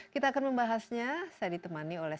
kita akan membahasnya saya ditemani oleh